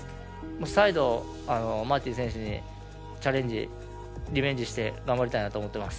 再度マーティン選手にチャレンジ、リベンジして頑張りたいなと思ってます。